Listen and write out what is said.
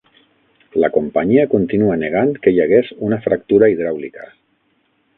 La companyia continua negant que hi hagués una fractura hidràulica.